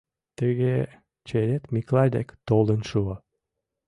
Тыге черет Миклай дек толын шуо.